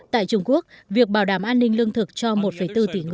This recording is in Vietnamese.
tại trung quốc việc bảo đảm an ninh lương thực cho một bốn của cây